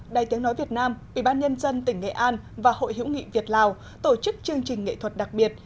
đài tiếng nói việt nam ủy ban nhân dân tỉnh nghệ an và hội hữu nghị việt lào tổ chức chương trình nghệ thuật đặc biệt